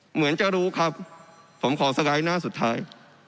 เหมือนจะรู้ครับผมขอสไลด์หน้าสุดท้าย